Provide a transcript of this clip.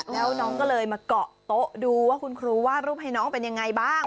แล้วน้องก็เลยมาเกาะโต๊ะดูว่าคุณครูวาดรูปให้น้องเป็นยังไงบ้าง